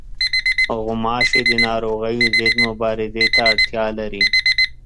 غوماشې د ناروغیو ضد مبارزې ته اړتیا لري.